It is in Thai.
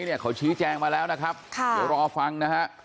เนี่ยเขาชี้แจงมาแล้วนะครับเดี๋ยวรอฟังนะฮะ